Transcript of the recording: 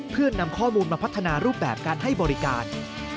เพื่อนำข้อมูลมาพัฒนารูปแบบการให้บริการ